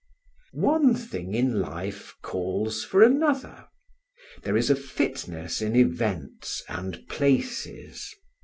One thing in life calls for another; there is a fitness in events and places.